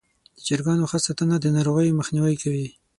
د چرګانو ښه ساتنه د ناروغیو مخنیوی کوي.